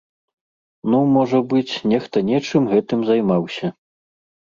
Ну, можа быць, нехта нечым гэтым займаўся.